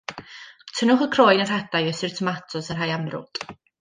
Tynnwch y croen a'r hadau os yw'r tomatos yn rhai amrwd.